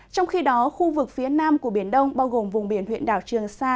trong khi đó khu vực phía nam của biển đông bao gồm vùng biển huyện đảo trường sa